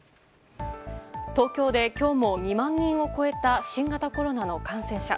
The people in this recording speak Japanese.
東京で今日も２万人を超えた新型コロナの感染者。